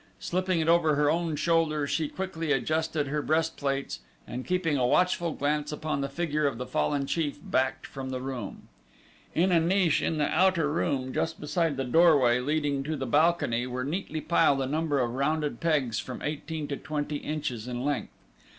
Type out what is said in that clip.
Slipping it over her own shoulder she quickly adjusted her breastplates and keeping a watchful glance upon the figure of the fallen chief, backed from the room. In a niche in the outer room, just beside the doorway leading to the balcony, were neatly piled a number of rounded pegs from eighteen to twenty inches in length.